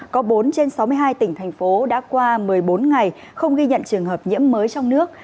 có bốn trên sáu mươi hai tỉnh thành phố đã qua một mươi bốn ngày không ghi nhận trường hợp nhiễm mới trong nước